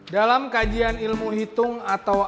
dalam kajian ilmu hitung atau